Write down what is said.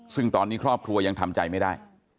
ซึ่งตอนนี้ครอบครัวยังทำใจไม่ได้